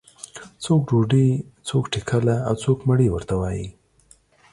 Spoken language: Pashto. څوک ډوډۍ، څوک ټکله او څوک مړۍ ورته وایي.